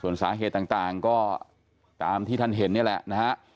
ส่วนสาเหตุต่างก็ตามที่ท่านเห็นนี่แหละนะฮะ